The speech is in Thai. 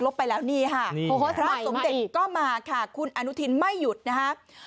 ลบไปแล้วนี้ฮะนี่มาอีกก็มาค่ะคุณอนุทีนไม่ยุ่นนะฮะ